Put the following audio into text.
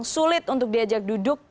sulit untuk diajak duduk